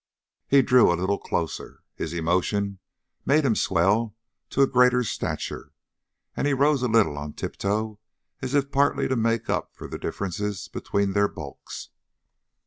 He drew a little closer. His emotion made him swell to a greater stature, and he rose a little on tiptoe as if partly to make up for the differences between their bulks.